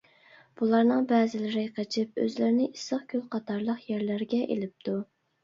بۇلارنىڭ بەزىلىرى قېچىپ، ئۆزلىرىنى ئىسسىق كۆل قاتارلىق يەرلەرگە ئېلىپتۇ.